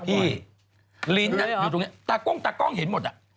ลิ้นอยู่ตรงนี้ตากล้องตากล้องเห็นหมดอ่ะ